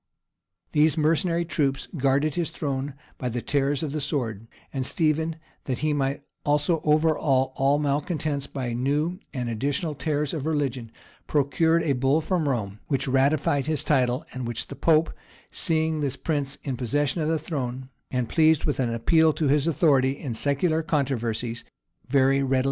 [] These mercenary troops guarded his throne by the terrors of the sword; and Stephen, that he might also overawe all malecontents by new and additional terrors of religion, procured a bull from Rome, which ratified his title, and which the pope, seeing this prince in possession of the throne, and pleased with an appeal to his authority in secular controversies, very readily granted him.